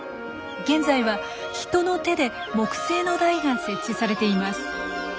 現在は人の手で木製の台が設置されています。